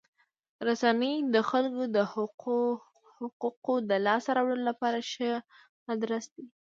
رسنۍ د خلکو د حقوقو د لاسته راوړلو لپاره ښه ادرس دی.